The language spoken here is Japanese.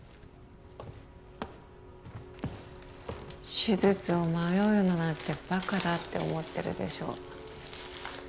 手術を迷うだなんてバカだって思ってるでしょう